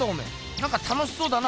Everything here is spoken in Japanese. なんか楽しそうだな。